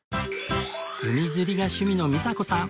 海釣りが趣味の美佐子さん